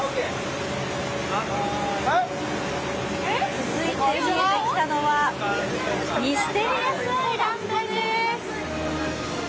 続いて見えてきたのはミステリアスアイランドです。